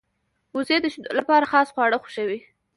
وزې د شیدو لپاره خاص خواړه خوښوي